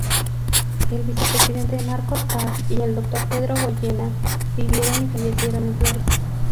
El vicepresidente Marcos Paz y el doctor Pedro Goyena vivieron y fallecieron en Flores.